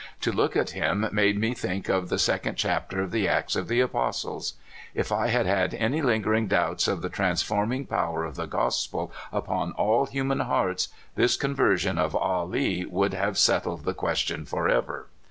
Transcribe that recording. To look at him made me think of the second chapter of the Acts of the Apostles. If I had had any lingering doubts of the trans forming power of the gospel upon all human hearts, this conversion of Ah Lee would have set tled the question forever.